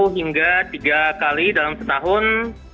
satu hingga tiga kali dalam setahun